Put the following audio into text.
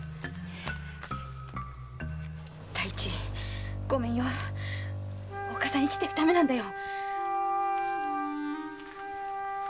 太一ごめんよおっかさん生きていくためなんだよ。